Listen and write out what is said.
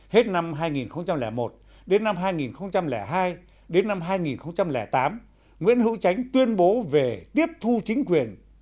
hết năm hai nghìn một đến năm hai nghìn hai đến năm hai nghìn tám nguyễn hữu tránh tuyên bố về tiếp thu chính quyền